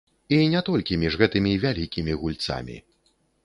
І не толькі між гэтымі вялікімі гульцамі.